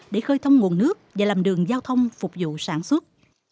để khơi thông nguồn nước và làm đường giao thông phục vụ sản xuất